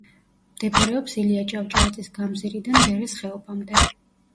მდებარეობს ილია ჭავჭავაძის გამზირიდან ვერის ხეობამდე.